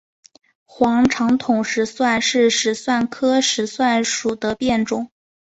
黄长筒石蒜是石蒜科石蒜属的变种。